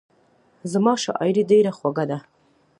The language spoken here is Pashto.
زما شاعري ډېره خوښه ده.